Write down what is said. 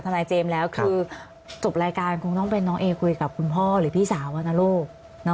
นายเจมส์แล้วคือจบรายการคงต้องเป็นน้องเอคุยกับคุณพ่อหรือพี่สาวอะนะลูก